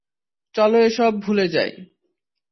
চলো এসব ভুলে যাই।